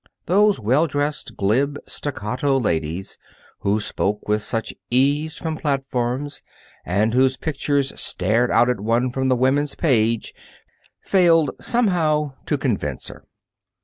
Those well dressed, glib, staccato ladies who spoke with such ease from platforms and whose pictures stared out at one from the woman's page failed, somehow, to convince her.